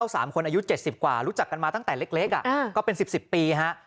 เล่าสามคนอายุเจ็ดสิบกว่ารู้จักกันมาตั้งแต่เล็กอ่ะก็เป็นสิบสิบปีฮะ